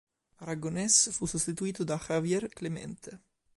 Aragonés fu sostituito da Javier Clemente.